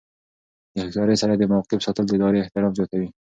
د هوښیارۍ سره د موقف ساتل د ادارې احترام زیاتوي.